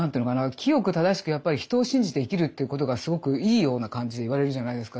清く正しくやっぱり人を信じて生きるということがすごくいいような感じで言われるじゃないですか。